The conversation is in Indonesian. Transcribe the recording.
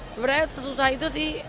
sebenernya sesusah itu sih